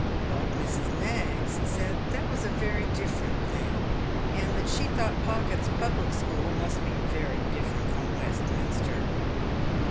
But Mrs. Knaggs said that was a very different thing, and that she thought Pocket's public school must be very different from Westminster.